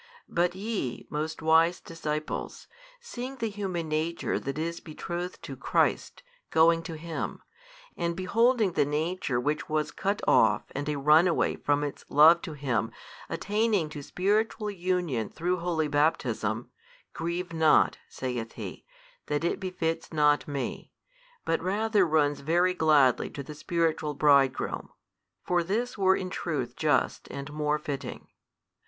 But ye, most wise disciples, seeing the human nature that is betrothed to Christ, going to Him, and beholding the nature which was cut off and a run away from its love to Him attaining to spiritual union through holy Baptism, grieve not, saith he, that it befits not me, but rather runs very gladly to the spiritual Bridegroom (for this were in truth just and more fitting).